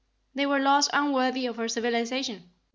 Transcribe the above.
They were laws unworthy of our civilization.